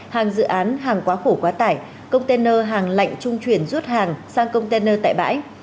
hàng dự án hàng quá khổ quá tải container hàng lạnh trung chuyển rút hàng sang container tại bãi